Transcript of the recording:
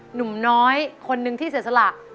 หนุ่มน้อยคนนึงที่เสียสละ